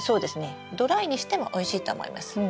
ドライにしてもおいしいと思います。